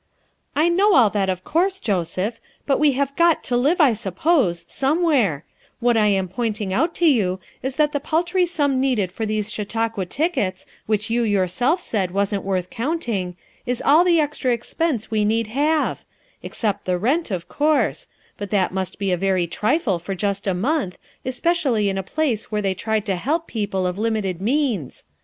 "I know all that of course, Joseph, hut we have got to live I suppose, somewhere; what I am pointing out to you is that the paltry sum needed for these Chautauqua tickets, which you yourself said wasn't worth counting, is all the extra expense we need have; except the rent, 44 FOUR MOTHERS AT CHAUTAUQUA of course ; but that must be a very trifle for just a month, especially in a place where they try to help people of limited means.